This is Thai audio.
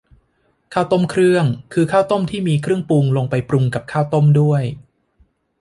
ข้าวต้มเครื่อง คือข้าวต้มที่มีเครื่องปรุงลงไปปรุงกับข้าวต้มด้วย